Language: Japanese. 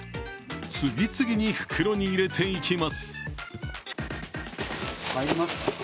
次々に袋に入れていきます。